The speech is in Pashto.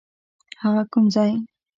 هغه کوم ځای؟